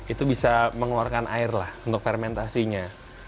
itu bisa mengeluarkan air lah untuk fermentasinya